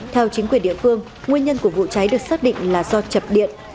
theo chính quyền địa phương nguyên nhân của vụ cháy được xác định là do chập điện